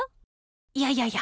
いやいやいや！